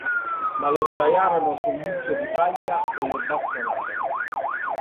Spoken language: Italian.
Ma lo sdraiarono su un mucchio di paglia e lo bastonarono.